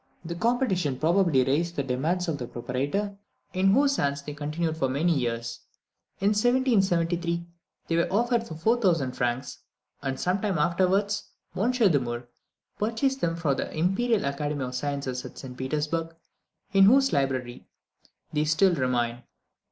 The competition probably raised the demands of the proprietor, in whose hands they continued for many years. In 1773 they were offered for 4000 francs, and sometime afterwards M. De Murr purchased them for the Imperial Academy of Sciences at St Petersburg, in whose library they still remain.